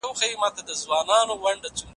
مه پرېږدئ چي خنډونه مو ودروي.